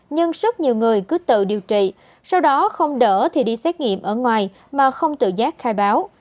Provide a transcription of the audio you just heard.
nhưng rất nhiều người cứ tự điều trị sau đó không đỡ thì đi xét nghiệm ở ngoài mà không tự giác khai báo